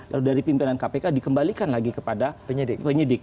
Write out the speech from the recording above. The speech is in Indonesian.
lalu dari pimpinan kpk dikembalikan lagi kepada penyidik